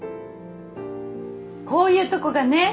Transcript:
こういうとこがね